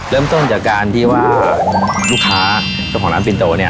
เริ่มต้นจากการที่ว่าลูกค้าเจ้าของร้านปินโตเนี่ย